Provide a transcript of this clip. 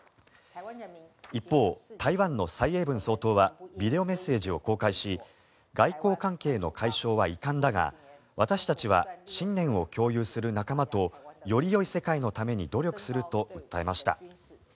一方、台湾の蔡英文総統はビデオメッセージを公開し外交関係の解消は遺憾だが私たちは信念を共有する仲間とよりよい世界のために努力すると訴えました。